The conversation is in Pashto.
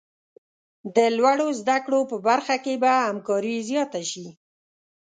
د لوړو زده کړو په برخه کې به همکاري زیاته شي.